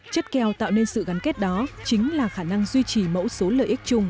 chất kèo tạo nên sự gắn kết đó chính là khả năng duy trì mẫu số lợi ích chung